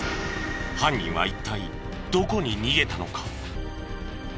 犯人は一体どこに逃げたのか？